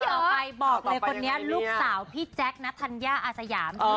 ต่อไปบอกเลยคนนี้ลูกสาวพี่แจ๊คนธัญญาอาสยาม